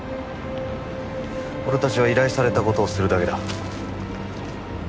俺たちは依頼された事をするだけだ。